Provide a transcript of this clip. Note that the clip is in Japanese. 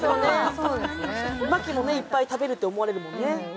麻貴もいっぱい食べると思われるもんね。